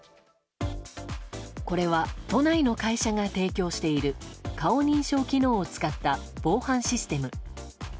これは都内の会社が提供している顔認証機能を使った防犯システム。